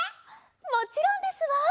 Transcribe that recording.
もちろんですわ！